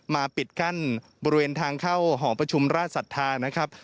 ปิดกั้นบริเวณทางเข้าหอประชุมราชศรัทธานะครับ